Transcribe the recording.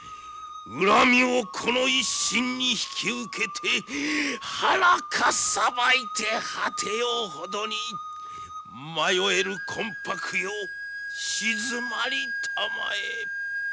恨みをこの一身に引き受けて腹かっさばいて果てようほどに迷える魂ぱくよ鎮まりたまえ。